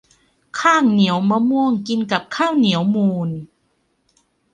ข้างเหนียวมะม่วง กินกับข้าวเหนียวมูน